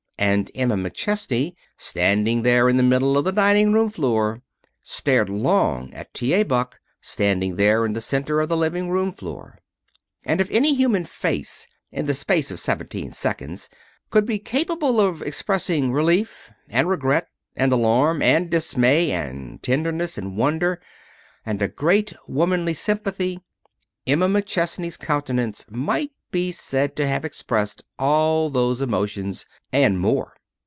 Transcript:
And Emma McChesney, standing there in the middle of the dining room floor, stared long at T. A. Buck, standing there in the center of the living room floor. And if any human face, in the space of seventeen seconds, could be capable of expressing relief, and regret, and alarm, and dismay, and tenderness, and wonder, and a great womanly sympathy, Emma McChesney's countenance might be said to have expressed all those emotions and more.